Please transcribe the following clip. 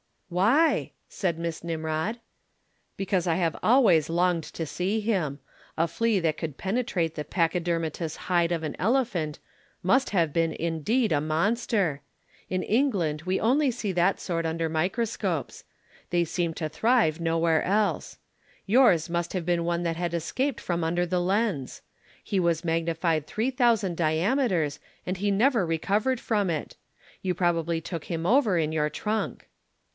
"Why?" said Miss Nimrod. "Because I have always longed to see him. A flea that could penetrate the pachydermatous hide of an elephant must have been, indeed, a monster. In England we only see that sort under microscopes. They seem to thrive nowhere else. Yours must have been one that had escaped from under the lens. He was magnified three thousand diameters and he never recovered from it. You probably took him over in your trunk."